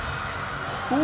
お！